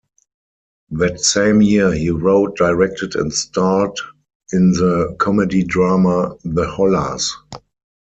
That same year, he wrote, directed and starred in the comedy-drama "The Hollars".